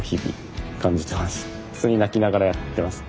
普通に泣きながらやってます。